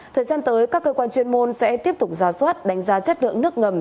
thời gian tới các cơ quan chuyên môn sẽ tiếp tục ra soát đánh giá chất lượng nước ngầm